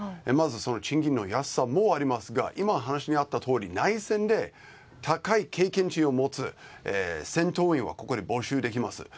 まず賃金の安さもありますが今のお話にあったとおり内戦で高い経験値を持つ戦闘員をここで募集できます。